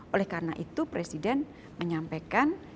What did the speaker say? oleh karena itu presiden menyampaikan